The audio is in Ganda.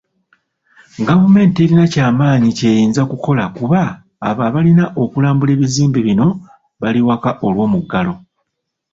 Gavumenti terina kyamaanyi ky'eyinza kukola kubanga abo abalina okulambula ebizimbe bino bali waka olw'omuggalo.